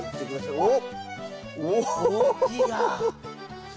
おっ。